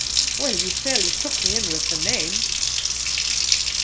"Well, you fairly took me in with the name!"